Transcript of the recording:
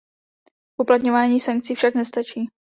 Uplatňování sankcí však nestačí.